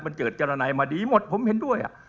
มันเกิดจารนายมาดีหมดผมเห็นด้วย